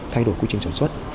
thay đổi quy trình sản xuất